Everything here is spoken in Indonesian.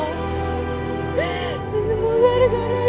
nanti gak akan begini kejadiannya